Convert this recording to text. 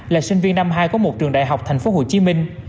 là sinh viên năm hai của một trường đại học tp hcm